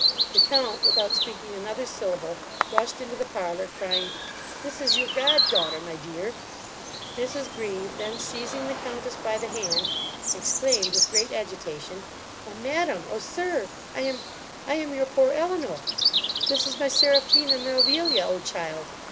The count, without speaking another syllable, rushed into the parlour, crying, 'This is your god daughter, my dear.' Mrs Grieve, then seizing the countess by the hand, exclaimed with great agitation, 'O madam! O sir! I am I am your poor Elinor. This is my Seraphina Melvilia O child!